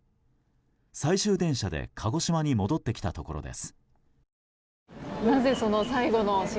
最終電車で鹿児島に戻ってきたところです。